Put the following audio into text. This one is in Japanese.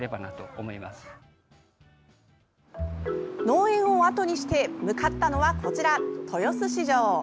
農園をあとにして向かったのはこちら、豊洲市場。